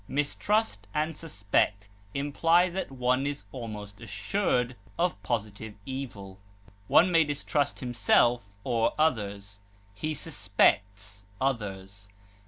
Mistrust and suspect imply that one is almost assured of positive evil; one may distrust himself or others; he suspects others.